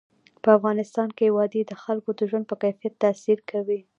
په افغانستان کې وادي د خلکو د ژوند په کیفیت تاثیر کوي.